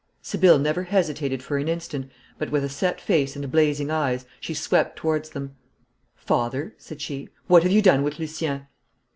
Sibylle never hesitated for an instant, but, with a set face and blazing eyes, she swept towards them. 'Father,' said she, 'what have you done with Lucien?'